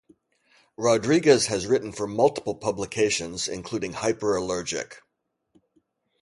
Rodriguez has written for multiple publications including Hyperallergic.